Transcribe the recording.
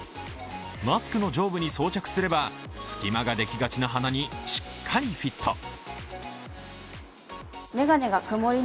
マスクの上部に装着すれば、隙間ができがちの鼻にしっかりフィット。